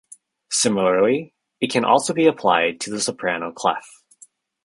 Similarly, it can also be applied to the soprano clef.